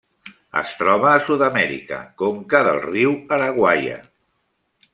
Es troba a Sud-amèrica: conca del riu Araguaia.